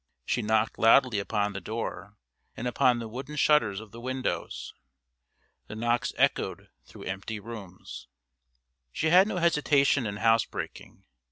She knocked loudly upon the door and upon the wooden shutters of the windows. The knocks echoed through empty rooms. She had no hesitation in house breaking.